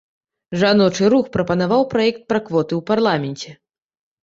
Жаночы рух прапанаваў праект пра квоты ў парламенце.